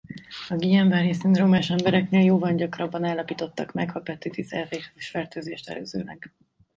A Guillain–Barré-szindrómás embereknél jóval gyakrabban állapítottak meg Hepatitis E vírusfertőzést előzőleg.